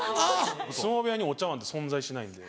相撲部屋にお茶わんって存在しないんで。